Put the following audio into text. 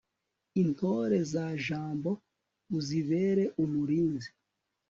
intore za jambo, uzibere umurinzi